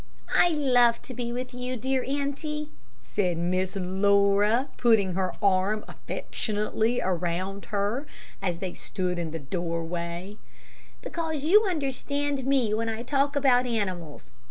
"I love to be with you, dear auntie," said Miss Laura, putting her arm affectionately around her, as they stood in the doorway; "because you understand me when I talk about animals.